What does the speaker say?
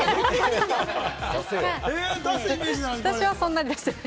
私はそんなに出してない。